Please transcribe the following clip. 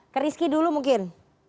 ke rizky dulu mungkin